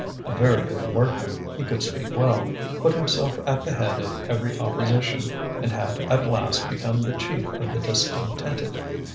A very good workman, he could speak well, put himself at the head of every opposition, and had at last become the chief of the discontented.